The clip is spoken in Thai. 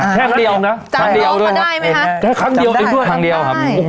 แค่งเดียวนะครั้งเดียวด้วยนะแค่ครั้งเดียวเองด้วยครั้งเดียวครับ